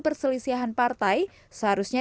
perselisihan partai seharusnya